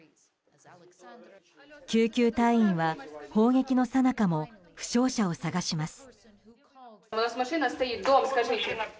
救急隊員は、砲撃のさなかも負傷者を探します。